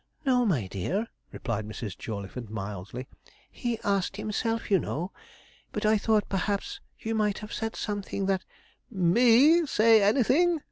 'No, my dear,' replied Mrs. Jawleyford mildly; 'he asked himself, you know; but I thought, perhaps, you might have said something that ' 'ME say anything!'